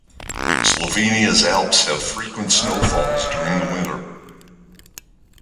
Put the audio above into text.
Slovenia's Alps have frequent snowfalls during the winter.